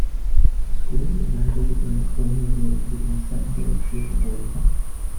The school was renovated during colonial rule to become a secondary school for boys.